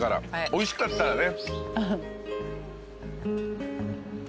おいしかったらね。